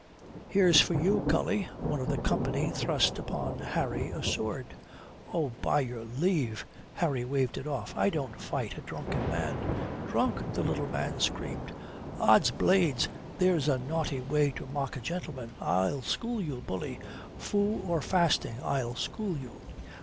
"Here's for you, cully." One of the company thrust upon Harry a sword. "Oh, by your leave," Harry waved it oft "I don't fight a drunken man." "Drunk!" the little man screamed. "Ods blades, there's a naughty way to mock a gentleman. I'll school you, bully; fou or fasting, I'll school you.